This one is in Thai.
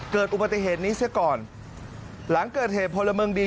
เกิดอุบัติเหตุนี้เสียก่อนหลังเกิดเหตุพลเมืองดี